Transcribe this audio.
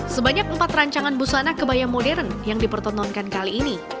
sebanyak empat rancangan busana kebaya modern yang dipertontonkan kali ini